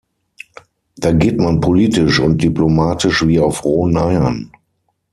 Da geht man politisch und diplomatisch wie auf rohen Eiern.